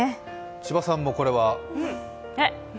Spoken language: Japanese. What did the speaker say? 千葉さんもこれは。